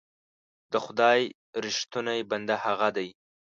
د خدای رښتونی بنده هغه دی.